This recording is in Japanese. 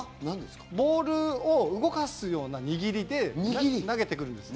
ボールを動かすような握りで投げてくるんです。